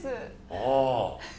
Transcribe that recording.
ああ。